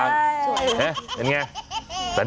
มองสาว